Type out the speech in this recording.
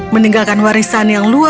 meninggalkan warisan yang luar biasa